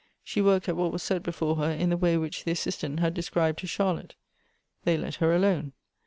She worked at what was set before her in the way which the Assistant had described to Charlotte. They let her alone.